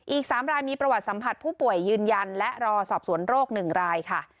อีก๓รายมีประวัติสัมผัสผู้ป่วยยืนยันและรอสอบสวนโรค๑รายค่ะ